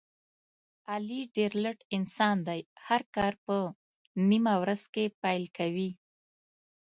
علي ډېر لټ انسان دی، هر کار په نیمه ورځ کې پیل کوي.